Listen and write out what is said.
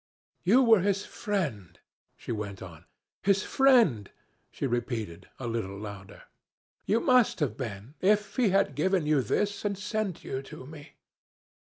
"'You were his friend,' she went on. 'His friend,' she repeated, a little louder. 'You must have been, if he had given you this, and sent you to me.